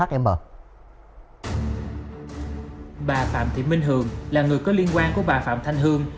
bà phạm thị minh hường là người có liên quan của bà phạm thanh hương